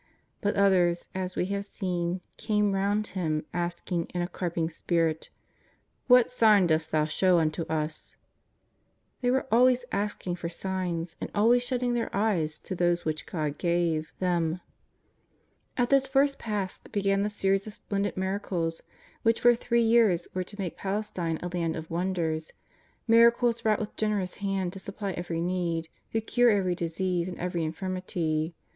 But others, as we have seen, came round Him asking in a carping spirit :" What sign dost Thou show unto us ?" They were always asking for signs and always shutting their eyes to those which God gave 150 JESUS OF NAZARETH. them. At this first Pasch began the series of splendid miracles which for three years were to make Palestine a Land of wonders, miracles wrought with generous hand to supply every need, to cure every disease and every in firmity.